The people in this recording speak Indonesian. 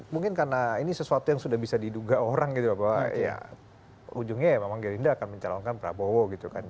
mungkin karena ini sesuatu yang sudah bisa diduga orang gitu bahwa ya ujungnya ya memang gerinda akan mencalonkan prabowo gitu kan